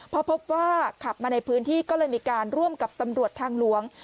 พอพบว่าขับมาในพื้นที่ก็เลยมีการร่วมกับตำรวจทางหลวง